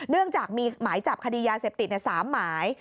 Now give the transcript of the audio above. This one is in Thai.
เนื่องจากมีหมายจับคดียาเสพติด๓หมาย